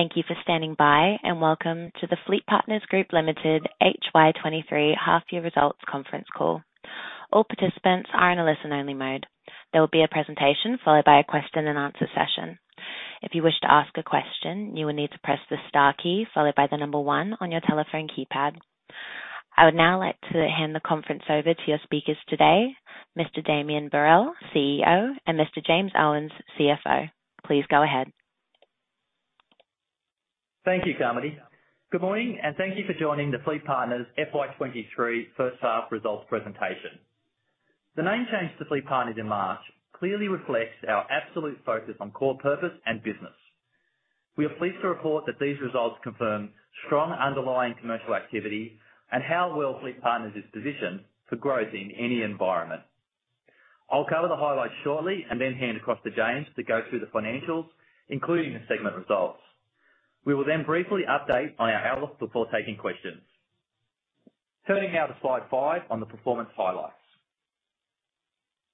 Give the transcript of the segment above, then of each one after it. Thank you for standing by, welcome to the FleetPartners Group Limited HY 23 half year results conference call. All participants are in a listen-only mode. There will be a presentation followed by a question and answer session. If you wish to ask a question, you will need to press the star key followed by the 1 on your telephone keypad. I would now like to hand the conference over to your speakers today, Mr. Damien Berrell, CEO, and Mr. James Owens, CFO. Please go ahead. Thank you, Carmody. Good morning, and thank you for joining the FleetPartners FY23 first half results presentation. The name change to FleetPartners in March clearly reflects our absolute focus on core purpose and business. We are pleased to report that these results confirm strong underlying commercial activity and how well FleetPartners is positioned for growth in any environment. I'll cover the highlights shortly and then hand across to James to go through the financials, including the segment results. We will then briefly update on our outlook before taking questions. Turning now to slide 5 on the performance highlights.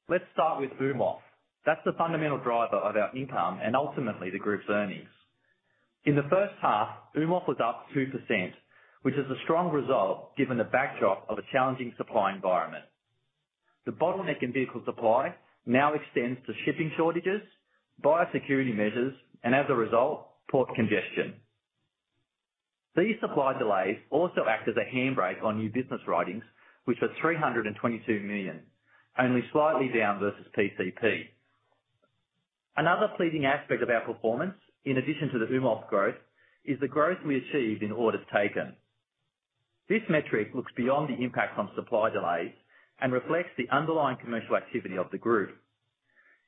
Let's start with UMOF. That's the fundamental driver of our income and ultimately the group's earnings. In the first half, UMOF was up 2%, which is a strong result given the backdrop of a challenging supply environment. The bottleneck in vehicle supply now extends to shipping shortages, biosecurity measures, and as a result, port congestion. These supply delays also act as a handbrake on new business writings, which were 322 million, only slightly down versus PCP. Another pleasing aspect of our performance, in addition to the UMOF growth, is the growth we achieved in orders taken. This metric looks beyond the impact on supply delays and reflects the underlying commercial activity of the group.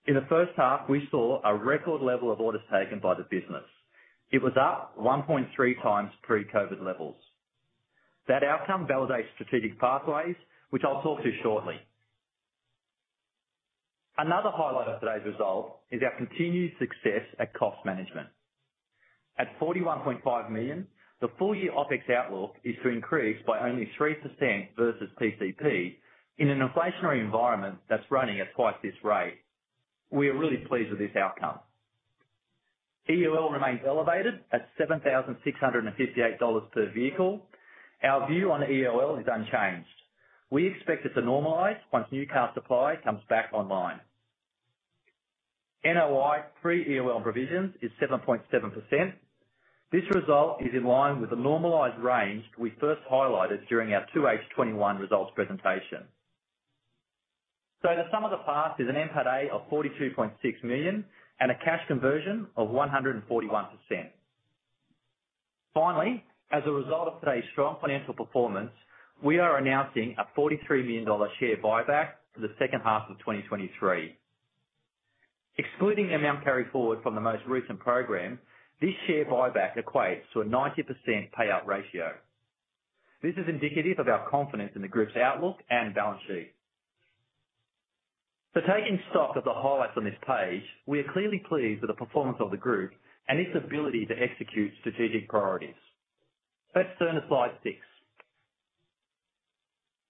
In the first half, we saw a record level of orders taken by the business. It was up 1.3 times pre-COVID levels. That outcome validates Strategic Pathways, which I'll talk to shortly. Another highlight of today's result is our continued success at cost management. At 41.5 million, the full year OpEx outlook is to increase by only 3% versus PCP in an inflationary environment that's running at twice this rate. We are really pleased with this outcome. EOL remains elevated at 7,658 dollars per vehicle. Our view on EOL is unchanged. We expect it to normalize once new car supply comes back online. NOI pre-EOL provisions is 7.7%. This result is in line with the normalized range we first highlighted during our 2H 2021 results presentation. The sum of the parts is an NPATA of 42.6 million and a cash conversion of 141%. As a result of today's strong financial performance, we are announcing an 43 million dollar share buyback for the second half of 2023. Excluding the amount carried forward from the most recent program, this share buyback equates to a 90% payout ratio. This is indicative of our confidence in the group's outlook and balance sheet. For taking stock of the highlights on this page, we are clearly pleased with the performance of the group and its ability to execute strategic priorities. Let's turn to slide 6.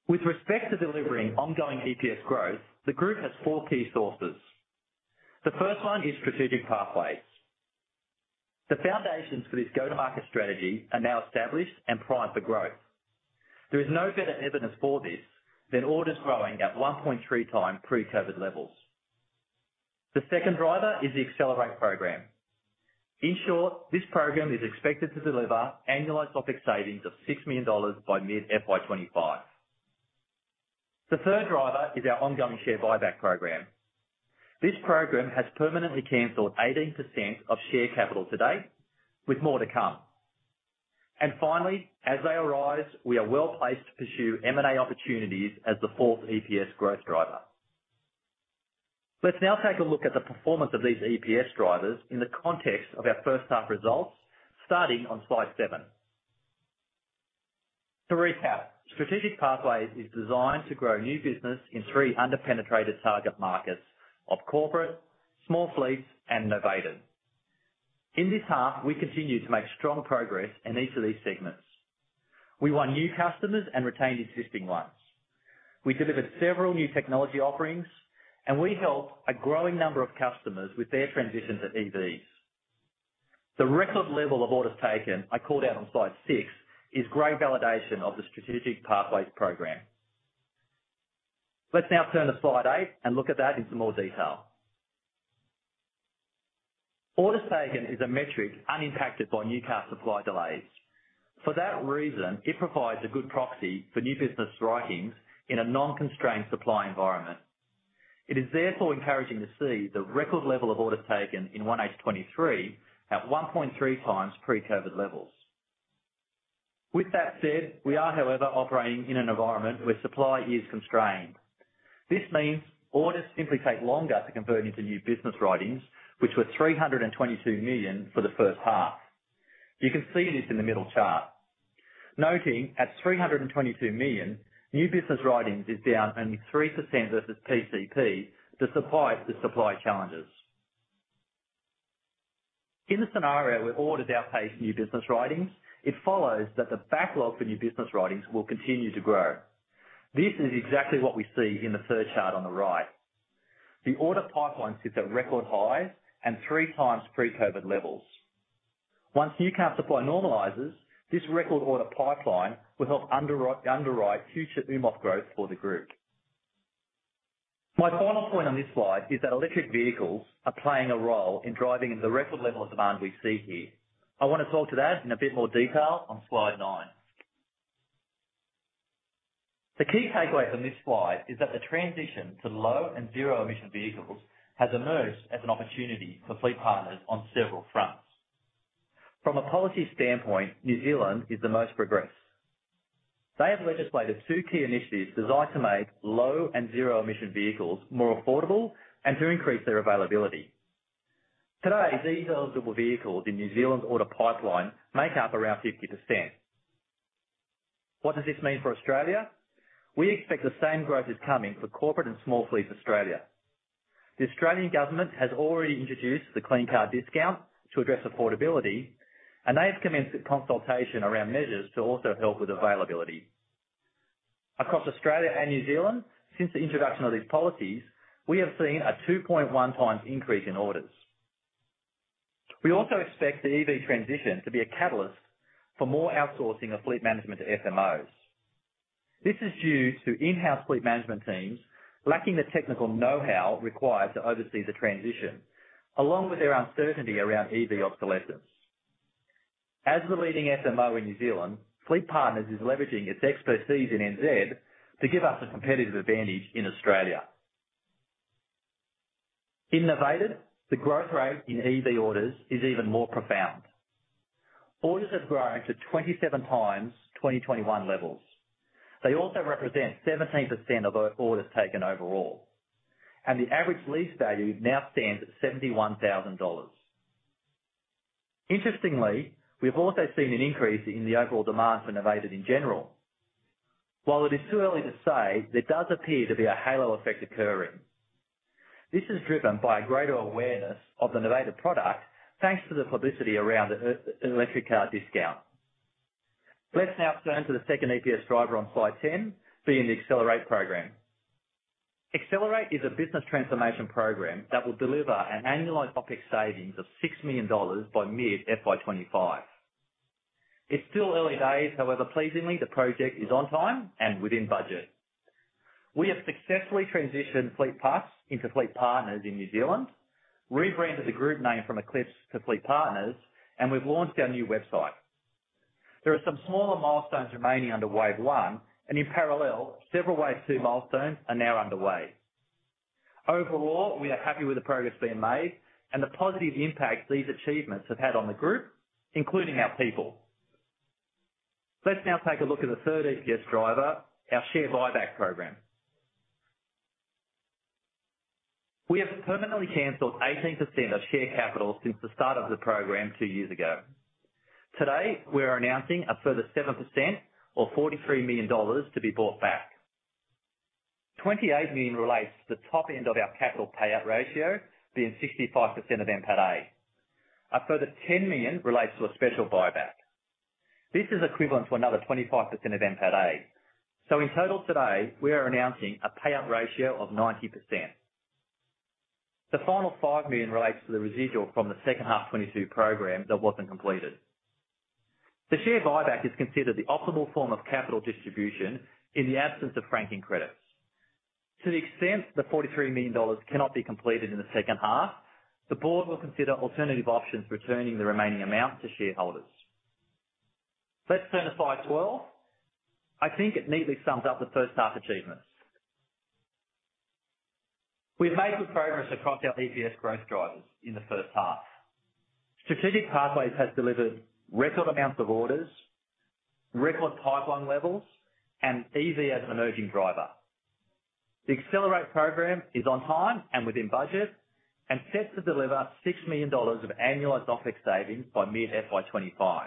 With respect to delivering ongoing EPS growth, the group has 4 key sources. The first one is Strategic Pathways. The foundations for this go-to-market strategy are now established and primed for growth. There is no better evidence for this than orders growing at 1.3x pre-COVID levels. The second driver is the Accelerate program. In short, this program is expected to deliver annualized OpEx savings of 6 million dollars by mid FY25. The third driver is our ongoing share buyback program. This program has permanently canceled 18% of share capital to date, with more to come. Finally, as they arise, we are well placed to pursue M&A opportunities as the fourth EPS growth driver. Let's now take a look at the performance of these EPS drivers in the context of our first half results, starting on slide 7. To recap, Strategic Pathways is designed to grow new business in 3 under-penetrated target markets of corporate, small fleets, and Novated. In this half, we continue to make strong progress in each of these segments. We won new customers and retained existing ones. We delivered several new technology offerings, and we helped a growing number of customers with their transition to EVs. The record level of orders taken I called out on slide 6 is great validation of the Strategic Pathways program. Let's now turn to slide eight and look at that in some more detail. Orders taken is a metric unimpacted by new car supply delays. For that reason, it provides a good proxy for New Business Writings in a non-constrained supply environment. It is therefore encouraging to see the record level of orders taken in 1H 2023 at 1.3 times pre-COVID levels. With that said, we are, however, operating in an environment where supply is constrained. This means orders simply take longer to convert into New Business Writings, which were 322 million for the first half. You can see this in the middle chart. Noting at 322 million, New Business Writings is down only 3% versus PCP to supply the supply challenges. In a scenario where orders outpace new business writings, it follows that the backlog for new business writings will continue to grow. This is exactly what we see in the third chart on the right. The order pipeline sits at record high and three times pre-COVID levels. Once new car supply normalizes, this record order pipeline will help underwrite future UMOF growth for the group. My final point on this slide is that electric vehicles are playing a role in driving the record level of demand we see here. I wanna talk to that in a bit more detail on slide nine. The key takeaway from this slide is that the transition to low and zero-emission vehicles has emerged as an opportunity for FleetPartners on several fronts. From a policy standpoint, New Zealand is the most progressed. They have legislated two key initiatives designed to make low and zero-emission vehicles more affordable and to increase their availability. Today, these eligible vehicles in New Zealand's order pipeline make up around 50%. What does this mean for Australia? We expect the same growth is coming for corporate and small fleets Australia. The Australian government has already introduced the Clean Car Discount to address affordability. They have commenced a consultation around measures to also help with availability. Across Australia and New Zealand, since the introduction of these policies, we have seen a 2.1 times increase in orders. We also expect the EV transition to be a catalyst for more outsourcing of fleet management to FMOs. This is due to in-house fleet management teams lacking the technical know-how required to oversee the transition, along with their uncertainty around EV obsolescence. As the leading FMO in New Zealand, FleetPartners is leveraging its expertise in NZ to give us a competitive advantage in Australia. In Novated, the growth rate in EV orders is even more profound. Orders have grown to 27 times 2021 levels. They also represent 17% of orders taken overall, and the average lease value now stands at $71,000. Interestingly, we've also seen an increase in the overall demand for Novated in general. While it is too early to say, there does appear to be a halo effect occurring. This is driven by a greater awareness of the Novated product, thanks to the publicity around the Electric Car Discount. Let's now turn to the second EPS driver on slide 10, being the Accelerate program. Accelerate is a business transformation program that will deliver an annualized OpEx savings of $6 million by mid FY 2025. It's still early days, however, pleasingly, the project is on time and within budget. We have successfully transitioned FleetPlus into FleetPartners in New Zealand, rebranded the group name from Eclipx to FleetPartners, and we've launched our new website. There are some smaller milestones remaining under wave one, and in parallel, several wave two milestones are now underway. Overall, we are happy with the progress being made and the positive impact these achievements have had on the group, including our people. Let's now take a look at the third EPS driver, our share buyback program. We have permanently canceled 18% of share capital since the start of the program two years ago. Today, we are announcing a further 7% or $43 million to be bought back. $28 million relates to the top end of our capital payout ratio, being 65% of NPATA. A further 10 million relates to a special buyback. This is equivalent to another 25% of NPAT-A. In total today, we are announcing a payout ratio of 90%. The final 5 million relates to the residual from the second half 2022 program that wasn't completed. The share buyback is considered the optimal form of capital distribution in the absence of franking credits. To the extent the AUD 43 million cannot be completed in the second half, the board will consider alternative options for returning the remaining amount to shareholders. Let's turn to slide 12. I think it neatly sums up the first half achievements. We've made good progress across our EPS growth drivers in the first half. Strategic Pathways has delivered record amounts of orders, record pipeline levels, and EV as an emerging driver. The Accelerate program is on time and within budget, Set to deliver 6 million dollars of annualized OpEx savings by mid FY25.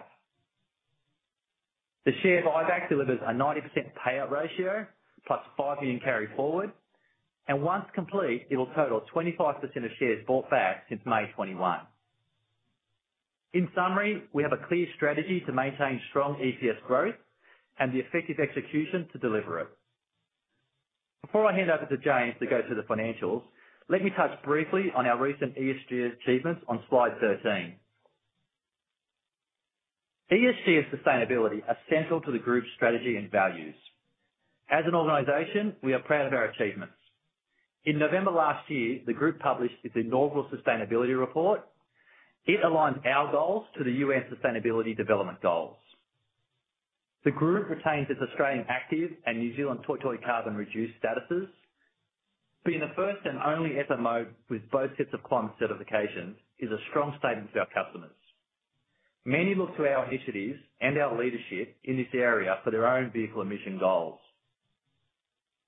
The share buyback delivers a 90% payout ratio plus 5 million carry forward, Once complete, it'll total 25% of shares bought back since May 2021. In summary, we have a clear strategy to maintain strong EPS growth and the effective execution to deliver it. Before I hand over to James to go through the financials, let me touch briefly on our recent ESG achievements on slide 13. ESG and sustainability are central to the group's strategy and values. As an organization, we are proud of our achievements. In November last year, the group published its inaugural sustainability report. It aligns our goals to the UN Sustainable Development Goals. The group retains its Australian active and New Zealand Toitū carbon-reduced statuses. Being the first and only FMO with both sets of climate certifications is a strong statement to our customers. Many look to our initiatives and our leadership in this area for their own vehicle emission goals.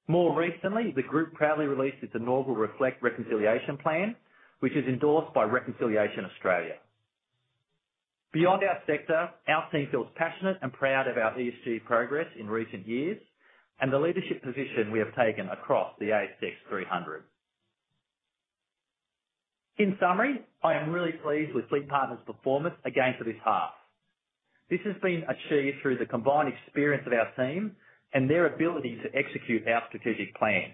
More recently, the group proudly released its inaugural Reflect Reconciliation Plan, which is endorsed by Reconciliation Australia. Beyond our sector, our team feels passionate and proud of our ESG progress in recent years and the leadership position we have taken across the ASX 300. In summary, I am really pleased with FleetPartners performance again for this half. This has been achieved through the combined experience of our team and their ability to execute our strategic plan.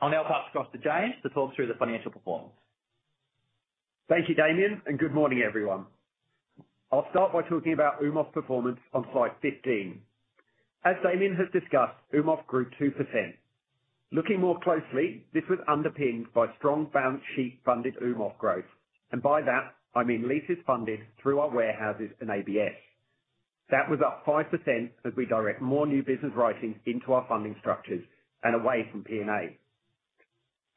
I'll now pass across to James to talk through the financial performance. Thank you, Damien. Good morning, everyone. I'll start by talking about UMOF's performance on slide 15. As Damien has discussed, UMOF grew 2%. Looking more closely, this was underpinned by strong balance sheet funded UMOF growth. By that, I mean leases funded through our warehouses and ABS. That was up 5% as we direct more new business writings into our funding structures and away from PNA.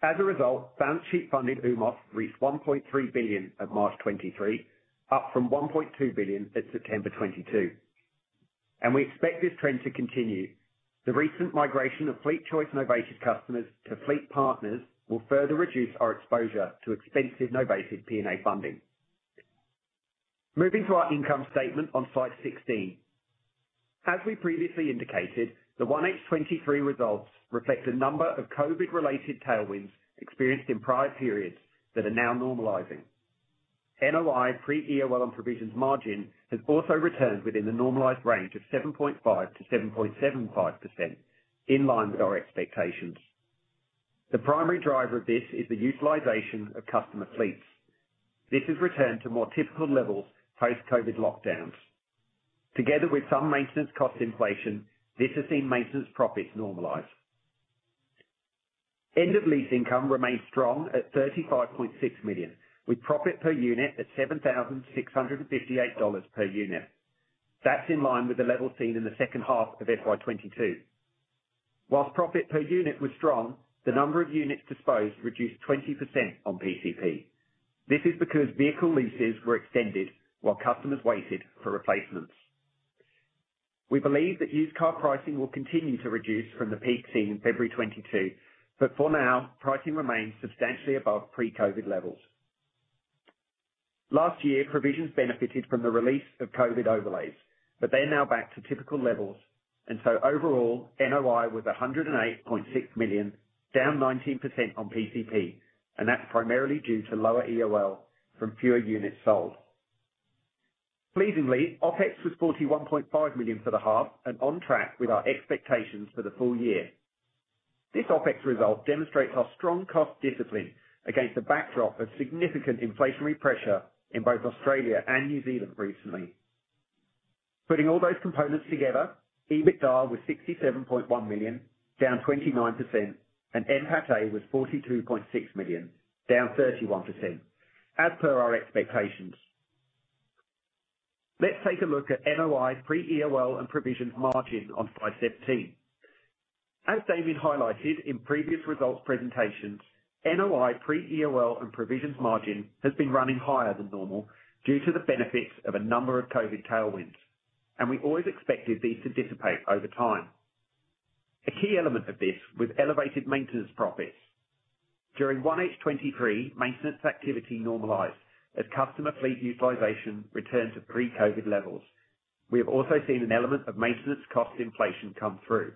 As a result, balance sheet funded UMOF reached 1.3 billion at March 2023, up from 1.2 billion at September 2022. We expect this trend to continue. The recent migration of FleetChoice Novated customers to FleetPartners will further reduce our exposure to expensive Novated PNA funding. Moving to our income statement on slide 16. As we previously indicated, the 1H 2023 results reflect a number of COVID-related tailwinds experienced in prior periods that are now normalizing. NOI pre-EOL and provisions margin has also returned within the normalized range of 7.5%-7.75%, in line with our expectations. The primary driver of this is the utilization of customer fleets. This has returned to more typical levels post-COVID lockdowns. Together with some maintenance cost inflation, this has seen maintenance profits normalize. End of lease income remains strong at 35.6 million, with profit per unit at 7,658 dollars per unit. That's in line with the level seen in the second half of FY 2022. Whilst profit per unit was strong, the number of units disposed reduced 20% on PCP. This is because vehicle leases were extended while customers waited for replacements. We believe that used car pricing will continue to reduce from the peak seen in February 2022. For now, pricing remains substantially above pre-COVID levels. Last year, provisions benefited from the release of COVID overlays. They are now back to typical levels. Overall, NOI was 108.6 million, down 19% on PCP. That's primarily due to lower EOL from fewer units sold. Pleasingly, OpEx was 41.5 million for the half and on track with our expectations for the full year. This OpEx result demonstrates our strong cost discipline against a backdrop of significant inflationary pressure in both Australia and New Zealand recently. Putting all those components together, EBITDA was 67.1 million, down 29%, and NPATA was 42.6 million, down 31%, as per our expectations. Let's take a look at NOI pre-EOL and provisions margin on slide 17. As Damien highlighted in previous results presentations, NOI pre-EOL and provisions margin has been running higher than normal due to the benefits of a number of COVID tailwinds. We always expected these to dissipate over time. A key element of this was elevated maintenance profits. During 1H 2023, maintenance activity normalized as customer fleet utilization returned to pre-COVID levels. We have also seen an element of maintenance cost inflation come through.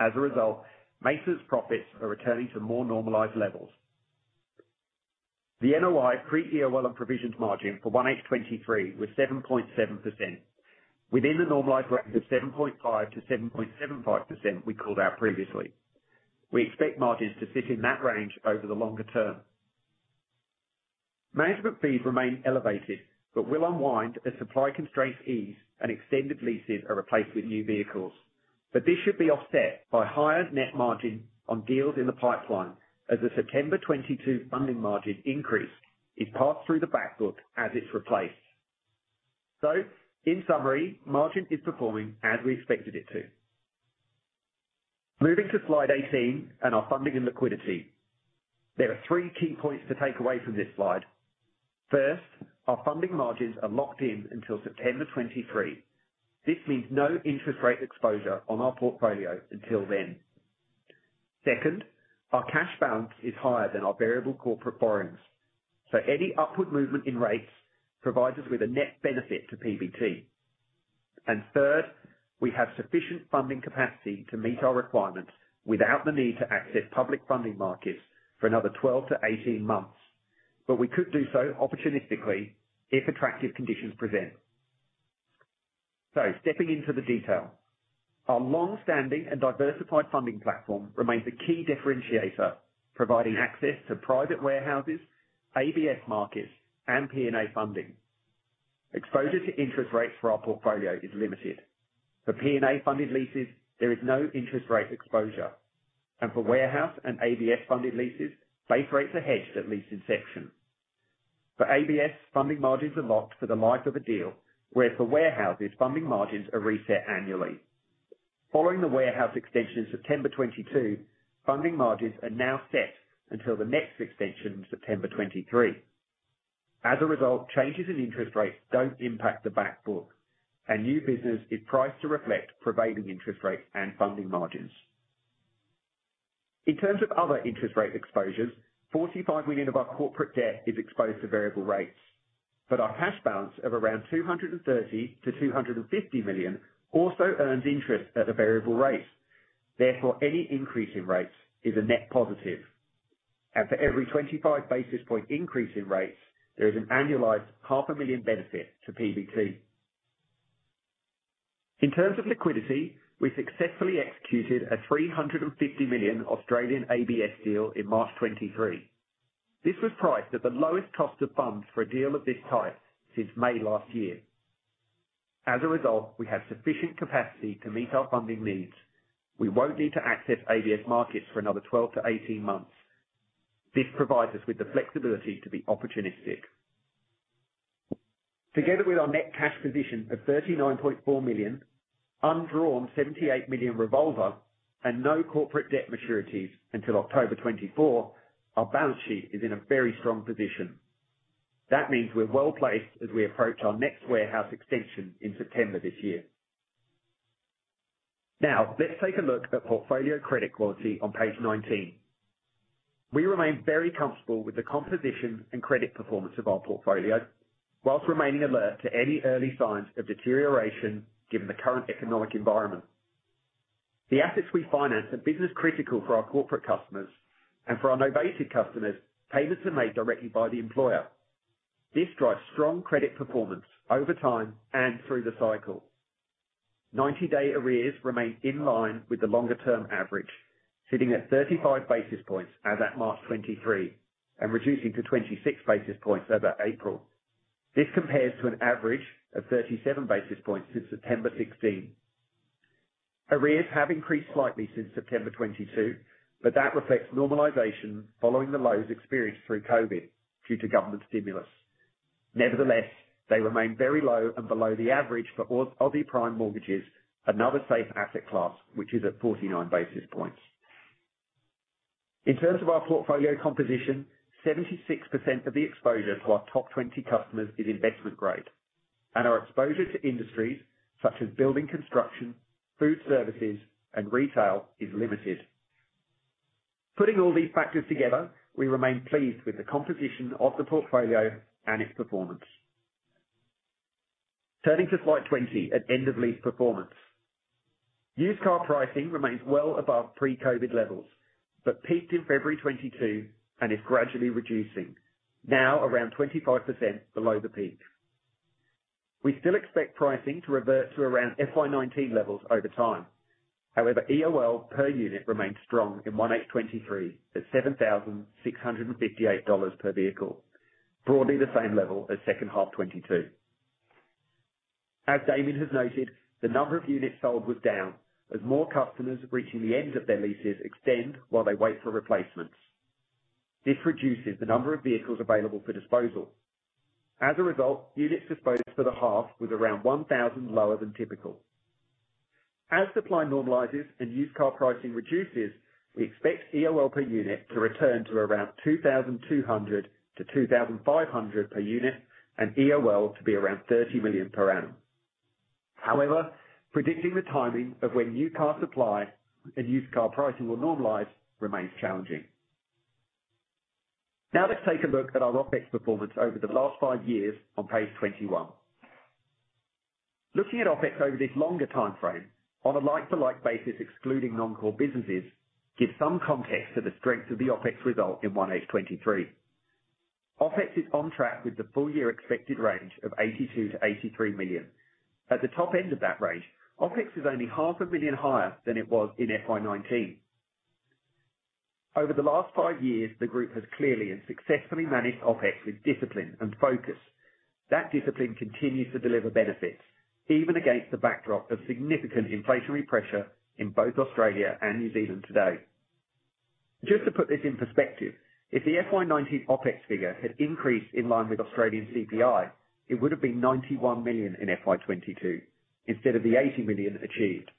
As a result, maintenance profits are returning to more normalized levels. The NOI pre-EOL and provisions margin for 1H 2023 was 7.7%, within the normalized range of 7.5%-7.75% we called out previously. We expect margins to sit in that range over the longer term. Management fees remain elevated will unwind as supply constraints ease and extended leases are replaced with new vehicles. This should be offset by higher net margin on deals in the pipeline as the September 2022 funding margin increase is passed through the back book as it's replaced. In summary, margin is performing as we expected it to. Moving to slide 18 and our funding and liquidity. There are 3 key points to take away from this slide. First, our funding margins are locked in until September 2023. This means no interest rate exposure on our portfolio until then. Second, our cash balance is higher than our variable corporate borrowings, so any upward movement in rates provides us with a net benefit to PBT. Third, we have sufficient funding capacity to meet our requirements without the need to access public funding markets for another 12 to 18 months. We could do so opportunistically if attractive conditions present. Stepping into the detail. Our long-standing and diversified funding platform remains a key differentiator, providing access to private warehouses, ABS markets, and PNA funding. Exposure to interest rates for our portfolio is limited. For PNA funded leases, there is no interest rate exposure, and for warehouse and ABS funded leases, base rates are hedged at lease inception. For ABS, funding margins are locked for the life of a deal, whereas for warehouses, funding margins are reset annually. Following the warehouse extension in September 2022, funding margins are now set until the next extension in September 2023. As a result, changes in interest rates don't impact the back book. New business is priced to reflect prevailing interest rates and funding margins. In terms of other interest rate exposures, 45 million of our corporate debt is exposed to variable rates, but our cash balance of around 230 million-250 million also earns interest at a variable rate. Therefore, any increase in rates is a net positive. For every 25 basis point increase in rates, there is an annualized half a million benefit to PBT. In terms of liquidity, we successfully executed an 350 million Australian ABS deal in March 2023. This was priced at the lowest cost of funds for a deal of this type since May last year. As a result, we have sufficient capacity to meet our funding needs. We won't need to access ABS markets for another 12-18 months. This provides us with the flexibility to be opportunistic. Together with our net cash position of 39.4 million, undrawn 78 million revolver, and no corporate debt maturities until October 2024, our balance sheet is in a very strong position. That means we're well-placed as we approach our next warehouse extension in September this year. Let's take a look at portfolio credit quality on page 19. We remain very comfortable with the composition and credit performance of our portfolio, whilst remaining alert to any early signs of deterioration given the current economic environment. The assets we finance are business critical for our corporate customers, and for our Novated customers, payments are made directly by the employer. This drives strong credit performance over time and through the cycle. 90-day arrears remain in line with the longer-term average, sitting at 35 basis points as at March 2023, and reducing to 26 basis points over April. This compares to an average of 37 basis points since September 2016. Arrears have increased slightly since September 2022, but that reflects normalization following the lows experienced through COVID due to government stimulus. Nevertheless, they remain very low and below the average for ADI prime mortgages, another safe asset class, which is at 49 basis points. In terms of our portfolio composition, 76% of the exposure to our top 20 customers is investment-grade, and our exposure to industries such as building construction, food services, and retail is limited. Putting all these factors together, we remain pleased with the composition of the portfolio and its performance. Turning to slide 20 at end of lease performance. Used car pricing remains well above pre-COVID levels, but peaked in February 2022 and is gradually reducing, now around 25% below the peak. We still expect pricing to revert to around FY 2019 levels over time. However, EOL per unit remains strong in 1H 2023 at $7,658 per vehicle, broadly the same level as 2H 2022. As Damien has noted, the number of units sold was down as more customers reaching the end of their leases extend while they wait for replacements. This reduces the number of vehicles available for disposal. As a result, units disposed for the half was around 1,000 lower than typical. As supply normalizes and used car pricing reduces, we expect EOL per unit to return to around 2,200-2,500 per unit and EOL to be around 30 million per annum. However, predicting the timing of when new car supply and used car pricing will normalize remains challenging. Let's take a look at our OpEx performance over the last 5 years on page 21. Looking at OpEx over this longer timeframe on a like-to-like basis, excluding non-core businesses, gives some context to the strength of the OpEx result in 1H 23. OpEx is on track with the full year expected range of 82 million-83 million. At the top end of that range, OpEx is only AUD half a million higher than it was in FY 19. Over the last five years, the group has clearly and successfully managed OpEx with discipline and focus. That discipline continues to deliver benefits, even against the backdrop of significant inflationary pressure in both Australia and New Zealand today. Just to put this in perspective, if the FY19 OpEx figure had increased in line with Australian CPI, it would have been 91 million in FY22 instead of the 80 million achieved,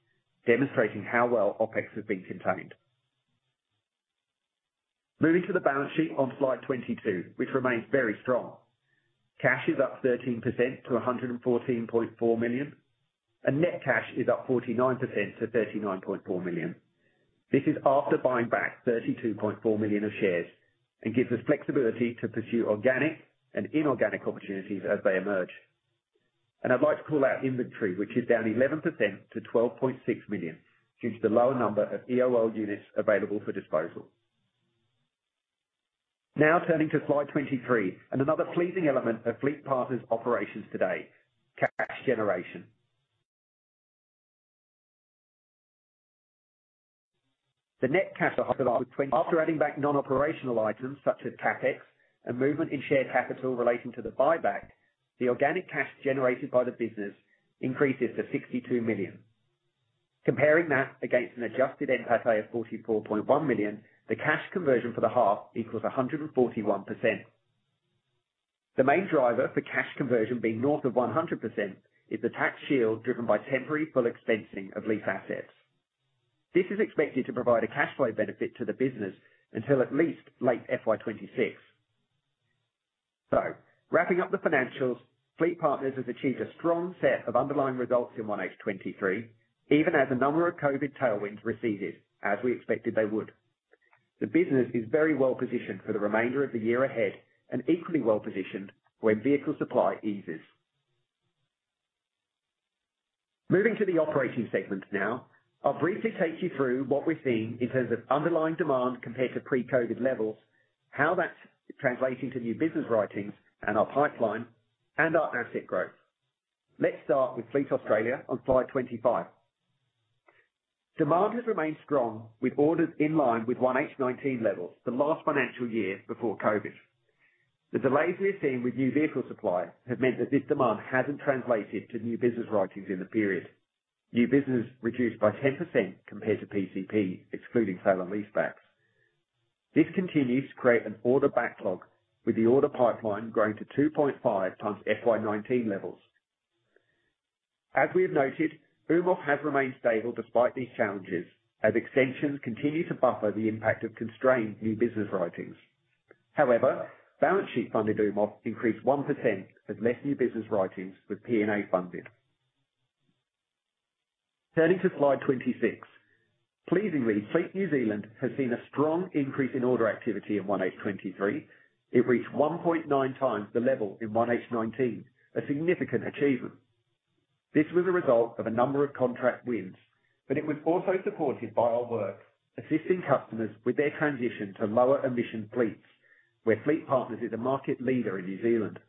demonstrating how well OpEx has been contained. Moving to the balance sheet on slide 22, which remains very strong. Cash is up 13% to 114.4 million. Net cash is up 49% to 39.4 million. This is after buying back 32.4 million of shares and gives us flexibility to pursue organic and inorganic opportunities as they emerge. I'd like to call out inventory, which is down 11% to 12.6 million due to the lower number of EOL units available for disposal. Now turning to slide 23 and another pleasing element of FleetPartners operations today, cash generation. After adding back non-operational items such as CapEx and movement in shared capital relating to the buyback, the organic cash generated by the business increases to 62 million. Comparing that against an adjusted NPATA of 44.1 million, the cash conversion for the half equals 141%. The main driver for cash conversion being north of 100% is the tax shield driven by temporary full expensing of lease assets. This is expected to provide a cash flow benefit to the business until at least late FY 2026. Wrapping up the financials, FleetPartners has achieved a strong set of underlying results in 1H 2023, even as a number of COVID tailwinds receded as we expected they would. The business is very well positioned for the remainder of the year ahead and equally well positioned when vehicle supply eases. Moving to the operating segment now, I'll briefly take you through what we're seeing in terms of underlying demand compared to pre-COVID levels, how that's translating to new business writings in our pipeline and our asset growth. Let's start with Fleet Australia on slide 25. Demand has remained strong with orders in line with 1H 2019 levels, the last financial year before COVID. The delays we are seeing with new vehicle supply have meant that this demand hasn't translated to new business writings in the period. New business reduced by 10% compared to PCP, excluding sale and leasebacks. This continues to create an order backlog with the order pipeline growing to 2.5x FY19 levels. As we have noted, UMOF has remained stable despite these challenges, as extensions continue to buffer the impact of constrained New Business Writings. Balance sheet funded UMOF increased 1% as less New Business Writings were PNA funded. Turning to slide 26. Pleasingly, FleetPartners New Zealand has seen a strong increase in order activity in 1H23. It reached 1.9x the level in 1H19, a significant achievement. This was a result of a number of contract wins, but it was also supported by our work assisting customers with their transition to lower emission fleets, where FleetPartners is a market leader in New Zealand.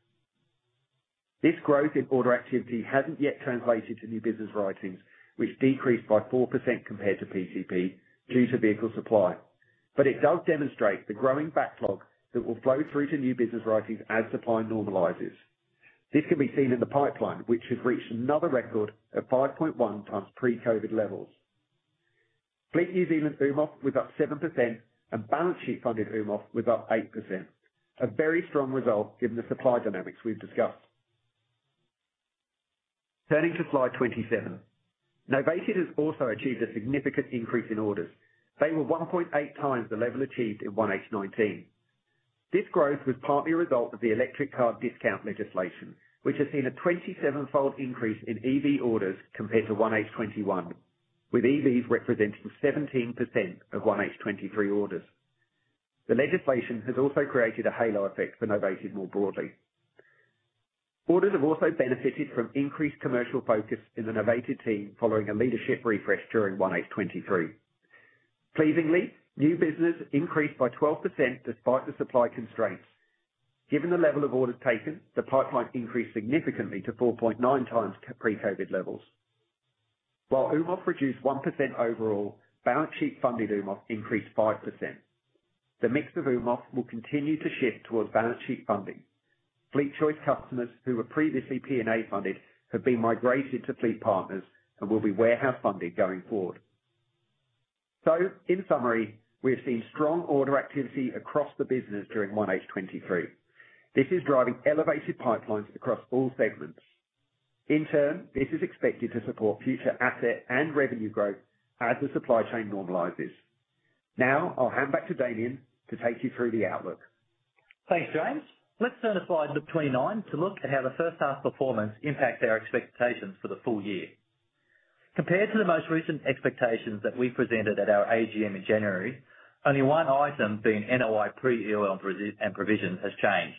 This growth in order activity hasn't yet translated to new business writings, which decreased by 4% compared to PCP due to vehicle supply. It does demonstrate the growing backlog that will flow through to new business writings as supply normalizes. This can be seen in the pipeline, which has reached another record of 5.1 times pre-COVID levels. Fleet New Zealand's UMOF was up 7% and balance sheet funded UMOF was up 8%. A very strong result given the supply dynamics we've discussed. Turning to slide 27. Novated has also achieved a significant increase in orders. They were 1.8 times the level achieved in 1H19. This growth was partly a result of the Electric Car Discount legislation, which has seen a 27-fold increase in EV orders compared to 1H 2021, with EVs representing 17% of 1H 2023 orders. The legislation has also created a halo effect for Novated more broadly. Orders have also benefited from increased commercial focus in the Novated team following a leadership refresh during 1H 2023. Pleasingly, new business increased by 12% despite the supply constraints. Given the level of orders taken, the pipeline increased significantly to 4.9 times pre-COVID levels. While UMOF reduced 1% overall, balance sheet funded UMOF increased 5%. The mix of UMOF will continue to shift towards balance sheet funding. FleetChoice customers who were previously PNA funded have been migrated to FleetPartners and will be warehouse funded going forward. In summary, we have seen strong order activity across the business during 1H 2023. This is driving elevated pipelines across all segments. In turn, this is expected to support future asset and revenue growth as the supply chain normalizes. I'll hand back to Damien to take you through the outlook. Thanks, James. Let's turn to slide number 29 to look at how the first half performance impacts our expectations for the full year. Compared to the most recent expectations that we presented at our AGM in January, only one item being NOI pre-EOL and provision has changed.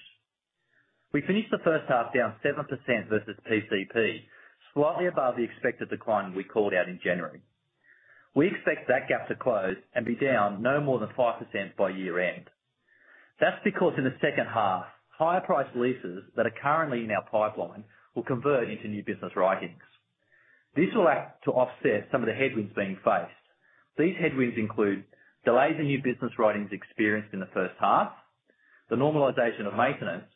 We finished the first half down 7% versus PCP, slightly above the expected decline we called out in January. We expect that gap to close and be down no more than 5% by year-end. That's because in the second half, higher priced leases that are currently in our pipeline will convert into new business writings. This will act to offset some of the headwinds being faced. These headwinds include delays in New Business Writings experienced in the first half, the normalization of maintenance,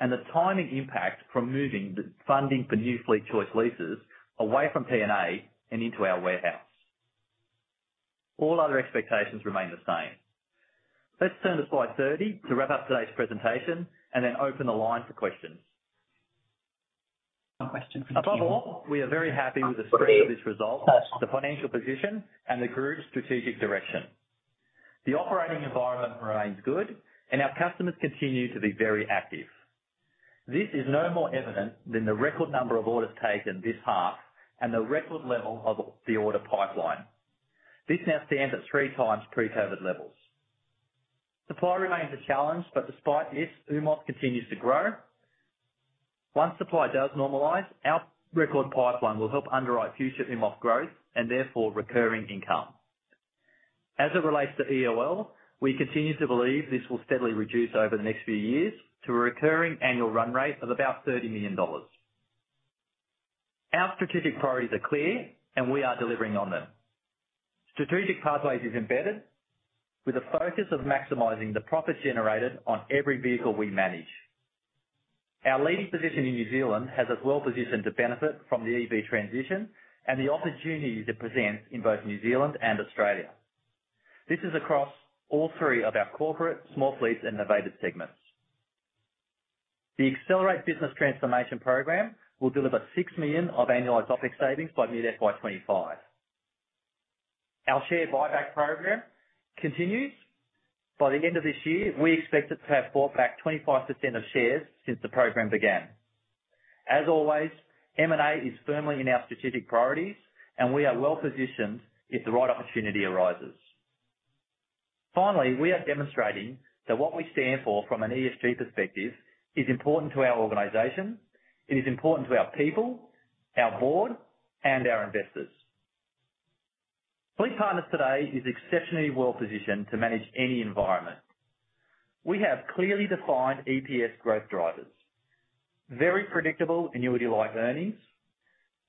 and the timing impact from moving the funding for new FleetChoice leases away from PNA and into our warehouse. All other expectations remain the same. Let's turn to slide 30 to wrap up today's presentation and then open the line for questions. A question from Jim. Above all, we are very happy with the strength of this result, the financial position, and the FleetPartners Group's strategic direction. The operating environment remains good, and our customers continue to be very active. This is no more evident than the record number of orders taken this half and the record level of the order pipeline. This now stands at 3 times pre-COVID levels. Supply remains a challenge, but despite this, UMOF continues to grow. Once supply does normalize, our record pipeline will help underwrite future UMOF growth and therefore recurring income. As it relates to EOL, we continue to believe this will steadily reduce over the next few years to a recurring annual run rate of about 30 million dollars. Our strategic priorities are clear, and we are delivering on them. Strategic Pathways is embedded with a focus of maximizing the profits generated on every vehicle we manage. Our leading position in New Zealand has us well positioned to benefit from the EV transition and the opportunities it presents in both New Zealand and Australia. This is across all three of our corporate, small fleets and Novated segments. The Accelerate business transformation program will deliver 6 million of annualized OpEx savings by mid FY2025. Our share buyback program continues. By the end of this year, we expect it to have bought back 25% of shares since the program began. As always, M&A is firmly in our strategic priorities, and we are well positioned if the right opportunity arises. Finally, we are demonstrating that what we stand for from an ESG perspective is important to our organization, it is important to our people, our board, and our investors. FleetPartners today is exceptionally well-positioned to manage any environment. We have clearly defined EPS growth drivers, very predictable annuity-like earnings.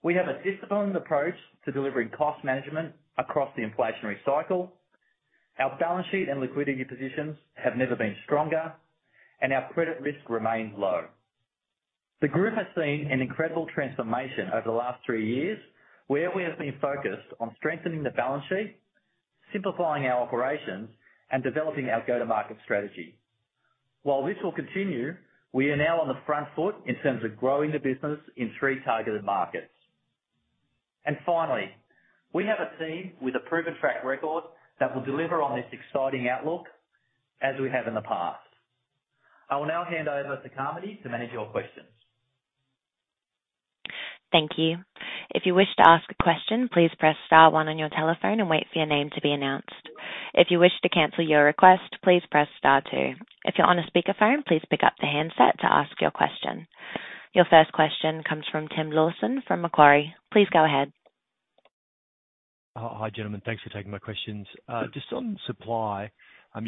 We have a disciplined approach to delivering cost management across the inflationary cycle. Our balance sheet and liquidity positions have never been stronger, and our credit risk remains low. The group has seen an incredible transformation over the last three years, where we have been focused on strengthening the balance sheet, simplifying our operations, and developing our go-to-market strategy. While this will continue, we are now on the front foot in terms of growing the business in three targeted markets. Finally, we have a team with a proven track record that will deliver on this exciting outlook as we have in the past. I will now hand over to Carmody to manage your questions. Thank you. If you wish to ask a question, please press star one on your telephone and wait for your name to be announced. If you wish to cancel your request, please press star two. If you're on a speakerphone, please pick up the handset to ask your question. Your first question comes from Tim Lawson from Macquarie. Please go ahead. Hi, gentlemen. Thanks for taking my questions. Just on supply,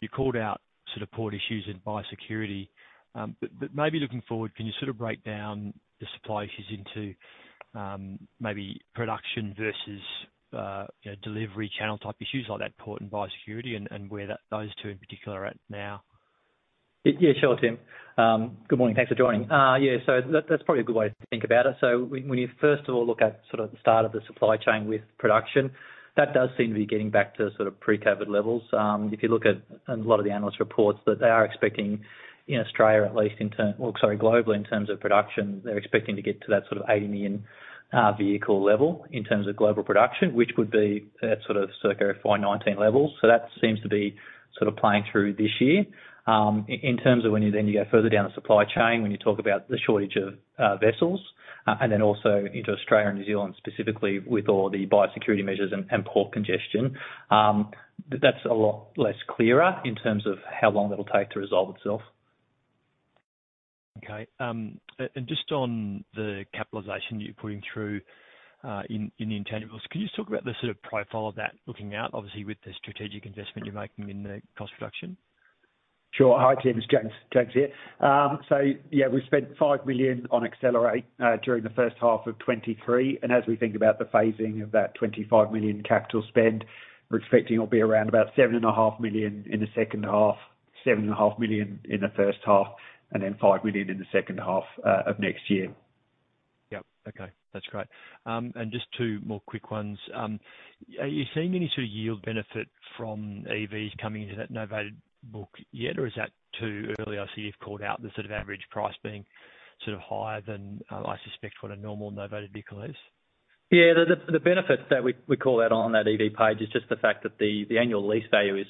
you called out sort of port issues and biosecurity, but maybe looking forward, can you sort of break down the supply issues into, maybe production versus, you know, delivery channel type issues like that port and biosecurity and where those two in particular are at now? Yeah, sure, Tim. Good morning. Thanks for joining. Yeah, that's probably a good way to think about it. When you first of all look at sort of the start of the supply chain with production, that does seem to be getting back to sort of pre-COVID levels. If you look at a lot of the analyst reports, that they are expecting in Australia, at least globally in terms of production, they're expecting to get to that sort of 80 million vehicle level in terms of global production, which would be at sort of circa FY19 levels. That seems to be sort of playing through this year. In terms of when you then you go further down the supply chain, when you talk about the shortage of vessels, and then also into Australia and New Zealand specifically with all the biosecurity measures and port congestion, that's a lot less clearer in terms of how long it'll take to resolve itself. Okay. Just on the capitalization you're putting through, in the intangibles, can you just talk about the sort of profile of that looking out, obviously with the strategic investment you're making in the cost reduction? Sure. Hi, Tim, it's James here. Yeah, we've spent 5 million on Accelerate during the first half of 2023, and as we think about the phasing of that 25 million capital spend, we're expecting it'll be around about seven and a half million in the second half, seven and a half million in the first half, and then 5 million in the second half of 2024. Yep. Okay. That's great. Just two more quick ones. Are you seeing any sort of yield benefit from EVs coming into that Novated book yet, or is that too early? I see you've called out the sort of average price being sort of higher than, I suspect what a normal Novated vehicle is. Yeah. The benefit that we call out on that EV page is just the fact that the annual lease value is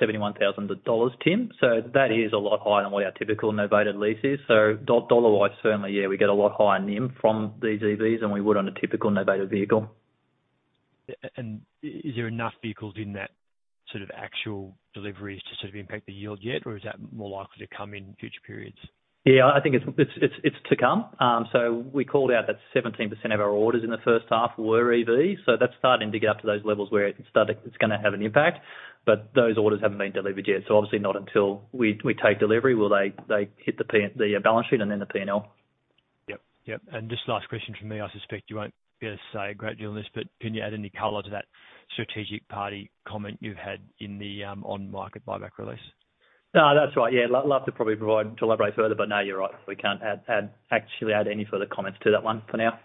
$71,000, Tim. That is a lot higher than what our typical novated lease is. Dollar-wise, certainly, yeah, we get a lot higher NIM from these EVs than we would on a typical novated vehicle. Is there enough vehicles in that sort of actual deliveries to sort of impact the yield yet, or is that more likely to come in future periods? Yeah, I think it's to come. We called out that 17% of our orders in the first half were EV, that's starting to get up to those levels where it's gonna have an impact. Those orders haven't been delivered yet, obviously not until we take delivery will they hit the balance sheet and then the P&L. Yep. Yep. Just last question from me. I suspect you won't be able to say a great deal on this, but can you add any color to that strategic party comment you had in the on-market buyback release? No, that's right. Yeah. love to probably provide, to elaborate further, but no, you're right. We can't actually add any further comments to that one for now.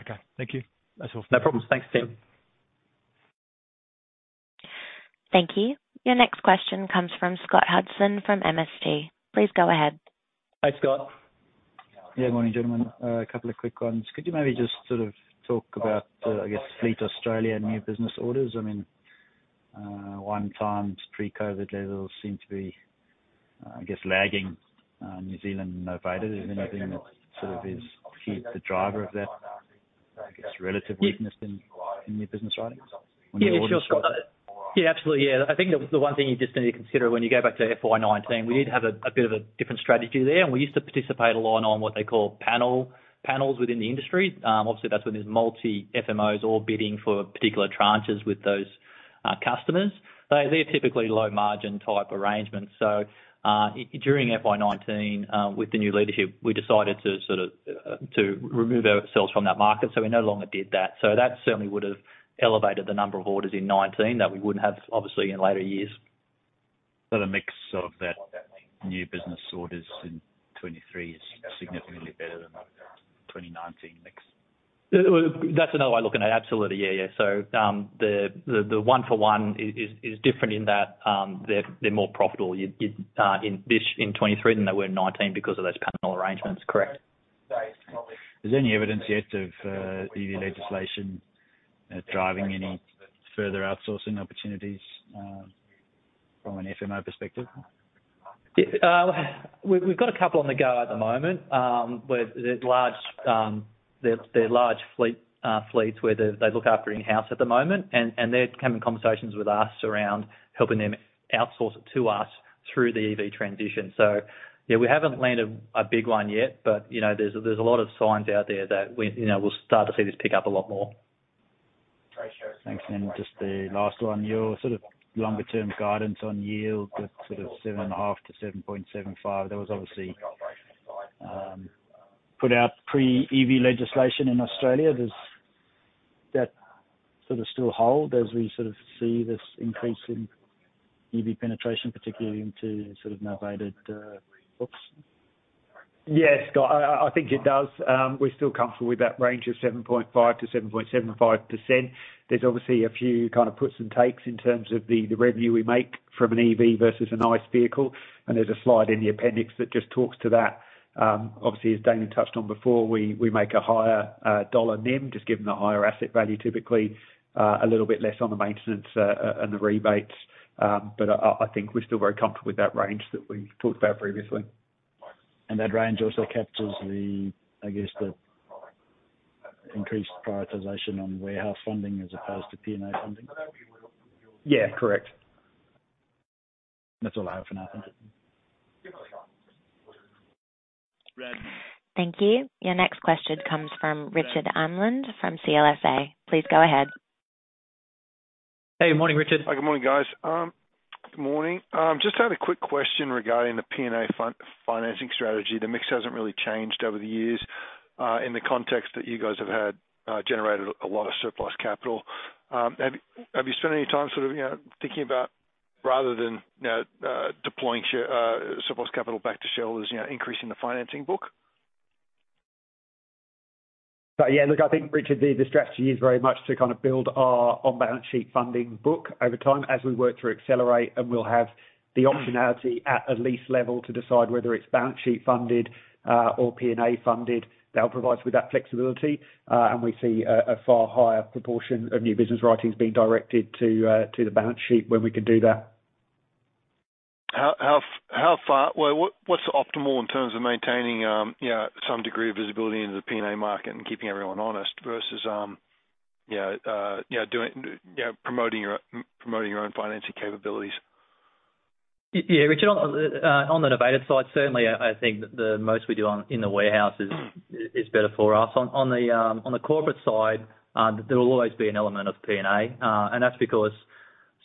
Okay. Thank you. That's all. No problems. Thanks, Tim. Thank you. Your next question comes from Scott Hudson from MST. Please go ahead. Hi, Scott. Yeah. Good morning, gentlemen. A couple of quick ones. Could you maybe just sort of talk about, I guess Fleet Australia new business orders? I mean, 1 times pre-COVID levels seem to be, I guess, lagging New Zealand Novated. Is there anything that sort of is key, the driver of that, I guess, relative weakness in new business writings when you order? Sure, Scott. Absolutely. I think the one thing you just need to consider when you go back to FY19, we did have a bit of a different strategy there. We used to participate a lot on what they call panels within the industry. Obviously, that's when there's multi FMOs all bidding for particular tranches with those customers. They're typically low margin type arrangements. During FY19, with the new leadership, we decided to sort of to remove ourselves from that market. We no longer did that. That certainly would have elevated the number of orders in 19 that we wouldn't have, obviously, in later years. The mix of that new business orders in 2023 is significantly better than the 2019 mix? That's another way of looking at it, absolutely. Yeah. Yeah. The one for one is different in that they're more profitable in this, in 23 than they were in 19 because of those panel arrangements. Correct. Is there any evidence yet of EV legislation, driving any further outsourcing opportunities, from an FMO perspective? Yeah, we've got a couple on the go at the moment, where there's large, they're large fleet, fleets where they look after in-house at the moment, and they're having conversations with us around helping them outsource it to us through the EV transition. Yeah, we haven't landed a big one yet, but, you know, there's a lot of signs out there that we, you know, we'll start to see this pick up a lot more. Thanks. Just the last one. Your sort of longer term guidance on yield with sort of 7.5% to 7.75%, that was obviously, put out pre-EV legislation in Australia. Does that sort of still hold as we sort of see this increase in EV penetration, particularly into sort of Novated books? Yes, Scott. I think it does. We're still comfortable with that range of 7.5% to 7.75%. There's obviously a few kind of puts and takes in terms of the revenue we make from an EV versus an ICE vehicle, and there's a slide in the appendix that just talks to that. Obviously as Damien touched on before, we make a higher dollar NIM, just given the higher asset value, typically a little bit less on the maintenance and the rebates. I think we're still very comfortable with that range that we talked about previously. That range also captures I guess the increased prioritization on warehouse funding as opposed to PNA funding. Yeah, correct. That's all I have for now, thanks. Thank you. Your next question comes from Richard Unland from CLSA. Please go ahead. Hey, morning Richard. Hi, good morning, guys. good morning. just had a quick question regarding the PNA financing strategy. The mix hasn't really changed over the years, in the context that you guys have had, generated a lot of surplus capital. have you spent any time sort of, you know, thinking about rather than, you know, deploying surplus capital back to shareholders, you know, increasing the financing book? Yeah, look, I think Richard, the strategy is very much to kind of build our on-balance sheet funding book over time as we work through Accelerate, and we'll have the optionality at a lease level to decide whether it's balance sheet funded, or PNA funded. That'll provide us with that flexibility, and we see a far higher proportion of new business writings being directed to the balance sheet when we can do that. How far... Well, what's optimal in terms of maintaining, you know, some degree of visibility into the PNA market and keeping everyone honest versus, you know, you know, doing, you know, promoting your own financing capabilities? Yeah, Richard, on the Novated side, certainly I think that the most we do in the warehouse is better for us. On the corporate side, there will always be an element of PNA. That's because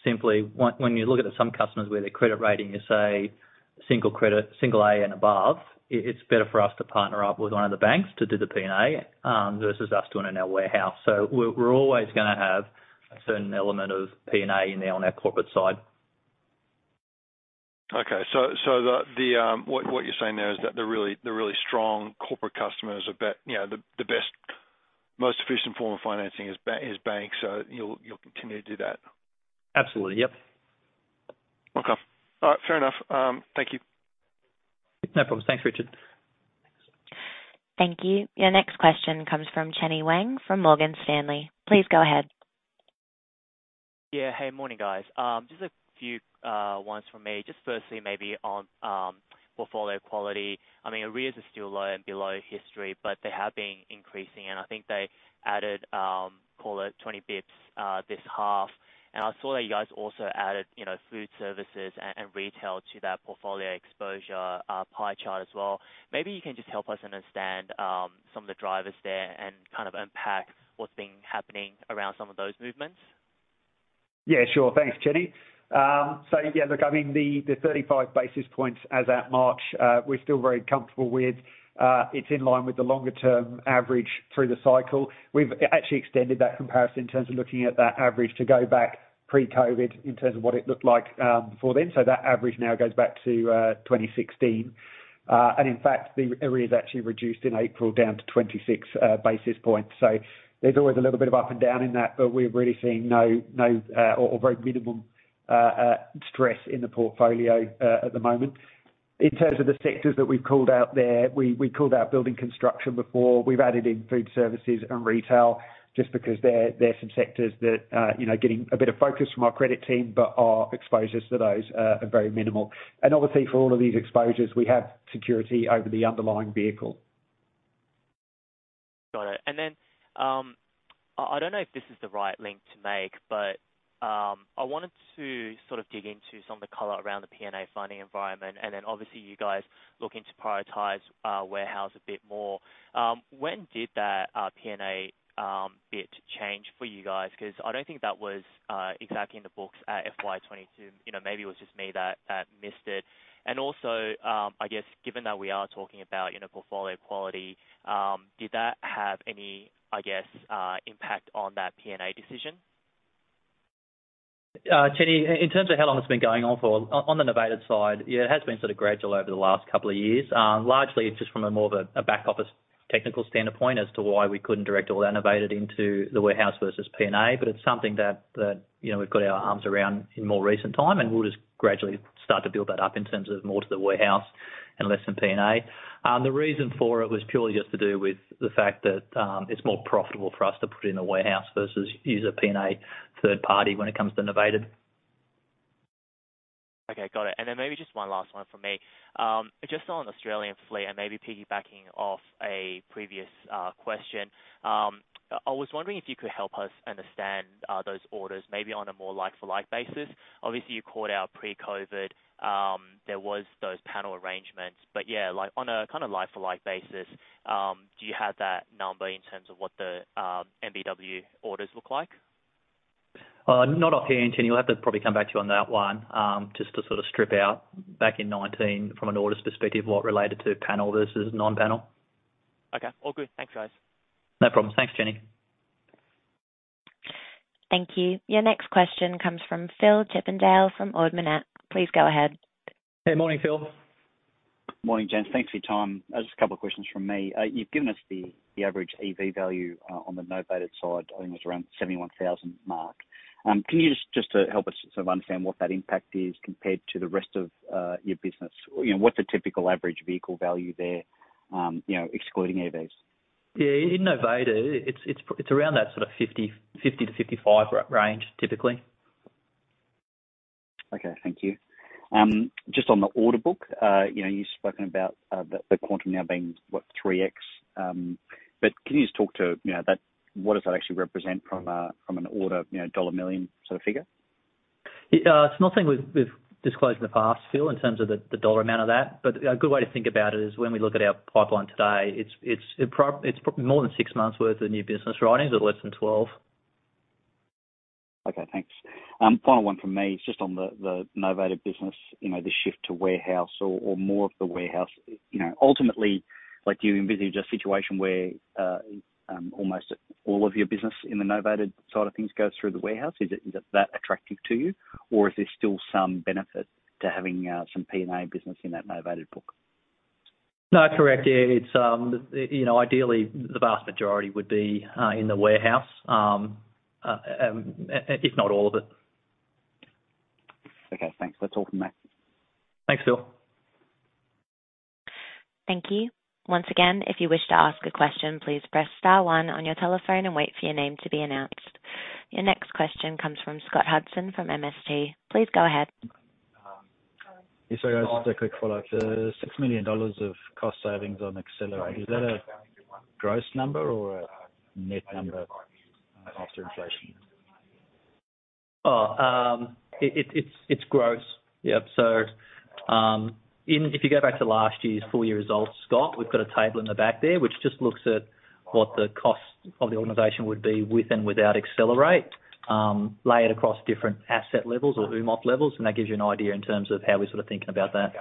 simply when you look at some customers where their credit rating is, say, single credit, single A and above, it's better for us to partner up with one of the banks to do the PNA versus us doing it in our warehouse. We're always gonna have a certain element of PNA in there on our corporate side. Okay. The... What you're saying there is that the really strong corporate customers are you know, the best, most efficient form of financing is banks, you'll continue to do that. Absolutely. Yep. Okay. All right. Fair enough. Thank you. No problem. Thanks, Richard. Thank you. Your next question comes from Chenny Wang from Morgan Stanley. Please go ahead. Yeah. Hey, morning, guys. Just a few ones from me. Just firstly maybe on portfolio quality. I mean, arrears are still low and below history, but they have been increasing and I think they added, call it 20 BPS, this half. I saw that you guys also added, you know, food services and retail to that portfolio exposure, pie chart as well. Maybe you can just help us understand some of the drivers there and kind of unpack what's been happening around some of those movements. Yeah, sure. Thanks, Chenny. Yeah, look, I mean, the 35 basis points as at March, we're still very comfortable with. It's in line with the longer term average through the cycle. We've actually extended that comparison in terms of looking at that average to go back pre-COVID in terms of what it looked like before then. That average now goes back to 2016. In fact, the area is actually reduced in April down to 26 basis points. There's always a little bit of up and down in that, but we're really seeing no, or very minimal, stress in the portfolio at the moment. In terms of the sectors that we've called out there, we called out building construction before. We've added in food services and retail just because they're some sectors that, you know, are getting a bit of focus from our credit team, but our exposures to those are very minimal. Obviously, for all of these exposures, we have security over the underlying vehicle. Got it. I don't know if this is the right link to make, but I wanted to sort of dig into some of the color around the PNA funding environment, and then obviously you guys looking to prioritize warehouse a bit more. When did that PNA bit change for you guys? 'Cause I don't think that was exactly in the books at FY22. You know, maybe it was just me that missed it. Also, I guess given that we are talking about, you know, portfolio quality, did that have any, I guess, impact on that PNA decision? Chenny, in terms of how long it's been going on for, on the Novated side, yeah, it has been sort of gradual over the last couple of years. Largely it's just from a more of a back office technical standpoint as to why we couldn't direct all that Novated into the warehouse versus PNA. It's something that, you know, we've got our arms around in more recent time, and we'll just gradually start to build that up in terms of more to the warehouse. Less than PNA. The reason for it was purely just to do with the fact that, it's more profitable for us to put in a warehouse versus use a PNA third party when it comes to Novated. Okay, got it. Then maybe just one last one from me. Just on Australian Fleet and maybe piggybacking off a previous question. I was wondering if you could help us understand those orders, maybe on a more like for like basis. Obviously, you called out pre-COVID, there was those panel arrangements. Yeah, like on a kind of like for like basis, do you have that number in terms of what the NBW orders look like? not offhand, Jenny. We'll have to probably come back to you on that one, just to sort of strip out back in 19 from an orders perspective what related to panel versus non-panel. Okay. All good. Thanks, guys. No problem. Thanks, Jenny. Thank you. Your next question comes from Phillip Chippindale from Ord Minnett. Please go ahead. Hey, morning, Phil. Morning, James. Thanks for your time. Just a couple of questions from me. You've given us the average EV value on the Novated side. I think it was around 71,000 mark. Can you just to help us sort of understand what that impact is compared to the rest of your business. You know, what's a typical average vehicle value there, you know, excluding EVs? Yeah, in Novated it's around that sort of 50-55 range, typically. Okay, thank you. Just on the order book. you know, you've spoken about, the quantum now being what, 3x. Can you just talk to, you know, what does that actually represent from a, from an order, you know, dollar million sort of figure? Yeah. It's nothing we've disclosed in the past, Phil, in terms of the dollar amount of that. A good way to think about it is when we look at our pipeline today, it's more than 6 months worth of new business, right? Is it less than 12? Okay, thanks. Final one from me. It's just on the Novated business. You know, the shift to warehouse or more of the warehouse. You know, ultimately, like, do you envisage a situation where, almost all of your business in the Novated side of things goes through the warehouse? Is it that attractive to you? Or is there still some benefit to having, some PNA business in that Novated book? No, correct. It's, you know, ideally the vast majority would be in the warehouse, if not all of it. Okay, thanks. That's all from me. Thanks, Phil. Thank you. Once again, if you wish to ask a question, please press star one on your telephone and wait for your name to be announced. Your next question comes from Scott Hudson from MST. Please go ahead. Yes, guys, just a quick follow-up. The 6 million dollars of cost savings on Accelerate, is that a gross number or a net number after inflation? It's gross. Yeah. Even if you go back to last year's full year results, Scott, we've got a table in the back there which just looks at what the cost of the organization would be with and without Accelerate, lay it across different asset levels or UMoF levels, and that gives you an idea in terms of how we're sort of thinking about that.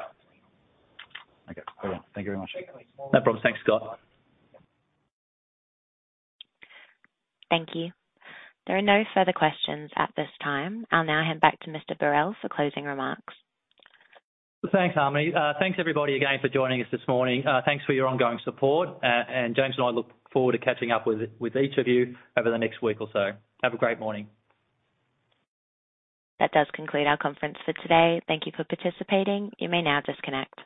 Okay. All right. Thank you very much. No problem. Thanks, Scott. Thank you. There are no further questions at this time. I'll now hand back to Mr. Berrell for closing remarks. Thanks, Harmony. Thanks, everybody, again for joining us this morning. Thanks for your ongoing support. James and I look forward to catching up with each of you over the next week or so. Have a great morning. That does conclude our conference for today. Thank you for participating. You may now disconnect.